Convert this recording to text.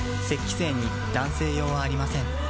精に男性用はありません